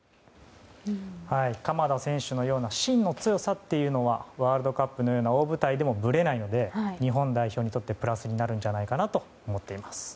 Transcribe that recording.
鎌田選手のような芯の強さというのはワールドカップのような大舞台でもぶれないので日本代表にとってプラスになるのではと思います。